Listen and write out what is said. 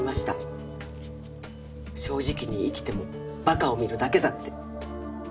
正直に生きても馬鹿を見るだけだって。